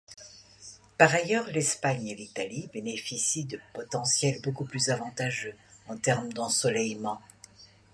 Par ailleurs, l'Espagne et l'Italie bénéficient de potentiels beaucoup plus avantageux en terme d'ensoleillement.